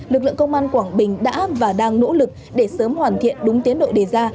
lực lượng công an quảng bình đã và đang nỗ lực để sớm hoàn thiện đúng tiến độ đề ra